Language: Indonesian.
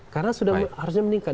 karena sudah harusnya meningkat